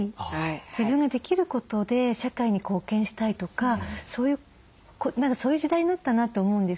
自分ができることで社会に貢献したいとか何かそういう時代になったなと思うんですね。